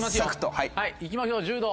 はい行きましょう柔道。